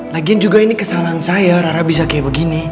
lagian juga ini kesalahan saya rara bisa kayak begini